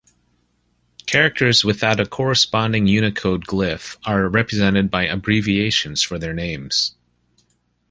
Characters without a corresponding Unicode glyph are represented by abbreviations for their names.